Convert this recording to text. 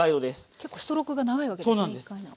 結構ストロークが長いわけですね